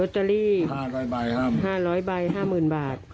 ๕แทน